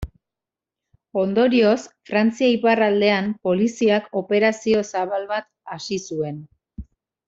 Ondorioz, Frantzia iparraldean, Poliziak operazio zabal bat hasi zuen.